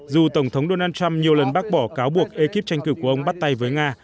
dù tổng thống donald trump nhiều lần bác bỏ cáo buộc ekip tranh cử của ông bắt tay với nga